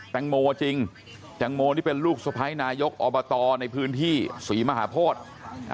แตงโมจริงแตงโมนี่เป็นลูกสะพ้ายนายกอบตในพื้นที่ศรีมหาโพธิ